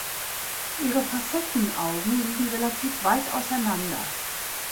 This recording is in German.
Ihre Facettenaugen liegen relativ weit auseinander.